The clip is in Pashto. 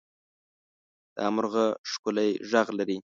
دا مرغه ښکلی غږ لري.